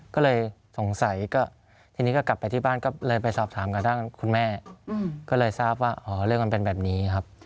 ก็เลยสงสัยก็ทีนี้ก็กลับไปที่บ้านก็เลยไปสอบถามกับทางคุณแม่ก็เลยทราบว่าอ๋อเรื่องมันเป็นแบบนี้ครับ